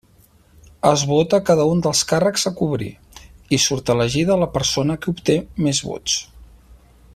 Es vota cada un dels càrrecs a cobrir, i surt elegida la persona que obté més vots.